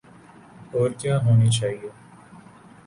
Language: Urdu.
اورکیا ہونی چاہیے۔